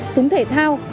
súng thể thao